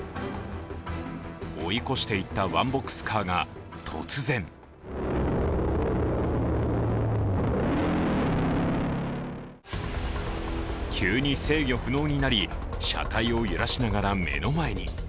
追い越していったワンボックスカーが突然急に制御不能になり、車体を揺らしながら目の前に。